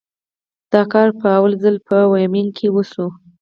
دا کار په لومړي ځل په وایومینګ کې وشو.